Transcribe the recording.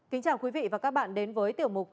kính chào quý vị và các bạn đến với tiểu mục